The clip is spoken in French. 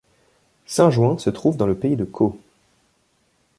Saint-Jouin se trouve dans le pays de Caux.